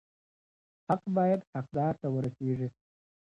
حق بايد حقدار ته ورسيږي.